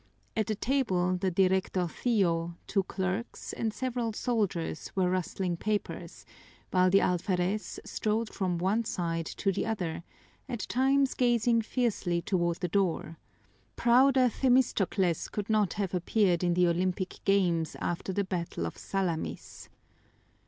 At the table the directorcillo, two clerks, and several soldiers were rustling papers, while the alferez strode from one side to the other, at times gazing fiercely toward the door: prouder Themistocles could not have appeared in the Olympic games after the battle of Salamis.